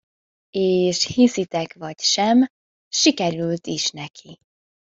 És hiszitek vagy sem: sikerült is neki!